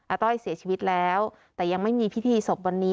ต้อยเสียชีวิตแล้วแต่ยังไม่มีพิธีศพวันนี้